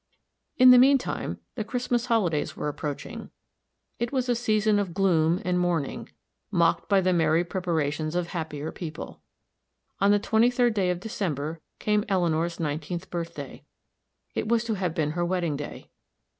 In the mean time, the Christmas holidays were approaching. It was a season of gloom and mourning, mocked by the merry preparations of happier people. On the twenty third day of December came Eleanor's nineteenth birthday. It was to have been her wedding day.